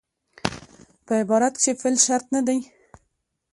په عبارت کښي فعل شرط نه دئ.